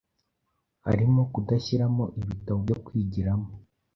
harimo kudashyiramo ibitabo byo kwigiramo